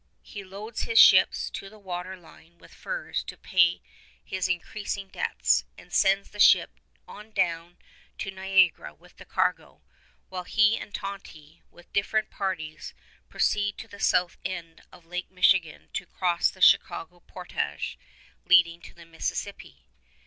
he loads his ships to the water line with furs to pay his increasing debts, and sends the ship on down to Niagara with the cargo, while he and Tonty, with different parties, proceed to the south end of Lake Michigan to cross the Chicago portage leading to the Mississippi.